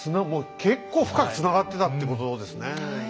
もう結構深くつながってたってことですね